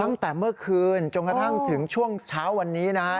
ตั้งแต่เมื่อคืนจนกระทั่งถึงช่วงเช้าวันนี้นะฮะ